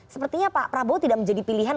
sepertinya pak prabowo tidak menjadi pilihan